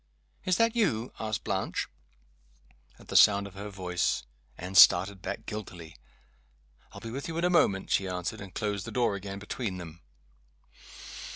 "Is that you?" asked Blanche. At the sound of her voice, Anne started back guiltily. "I'll be with you in a moment," she answered, and closed the door again between them.